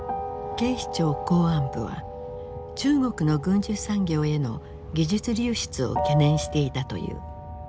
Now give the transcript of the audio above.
警視庁公安部は中国の軍需産業への技術流出を懸念していたという。